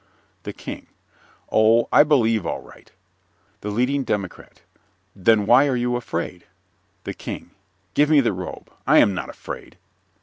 THE KING Oh, I believe all right. THE LEADING DEMOCRAT Then why are you afraid? THE KING Give me the robe. I am not afraid.